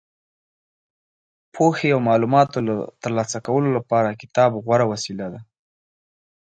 پوهې او معلوماتو ترلاسه کولو لپاره کتاب غوره وسیله ده.